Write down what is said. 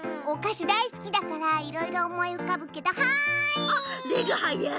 おかしだいすきだからいろいろおもいうかぶけどはい！